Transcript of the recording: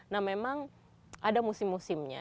nah memang ada musim musimnya